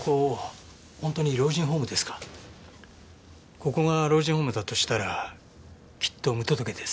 ここが老人ホームだとしたらきっと無届けです。